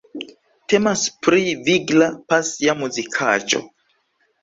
Temas pri vigla, pasia muzikaĵo.